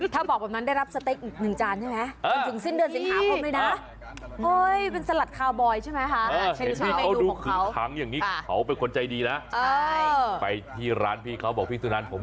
ถ้าบอกแบบนั้นได้รับสเต็กอีกหนึ่งจานใช่ไหม